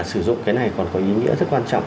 sử dụng cái này còn có ý nghĩa rất quan trọng